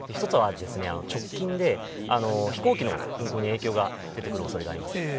１つは、直近で飛行機の運航に影響が出てくるおそれがあります。